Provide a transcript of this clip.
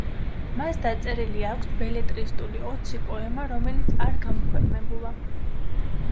მას დაწერილი აქვს ბელეტრისტული ოცი პოემა, რომელიც არ გამოქვეყნებულა.